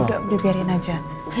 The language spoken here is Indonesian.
enggak dibiarkan saja